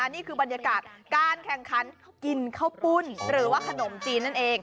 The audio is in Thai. นี่คือบรรยากาศการแข่งขันกินข้าวปุ้นหรือว่าขนมจีนนั่นเอง